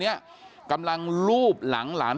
เดี๋ยวให้กลางกินขนม